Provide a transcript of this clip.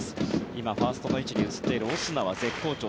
今、ファーストの位置に映っているオスナは絶好調。